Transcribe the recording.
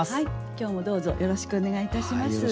今日もどうぞよろしくお願いいたします。